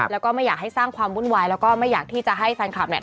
แล้วก็ไม่อยากให้สร้างความวุ่นวายแล้วก็ไม่อยากที่จะให้แฟนคลับเนี่ย